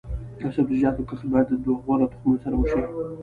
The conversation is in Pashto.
د سبزیجاتو کښت باید د غوره تخمونو سره وشي.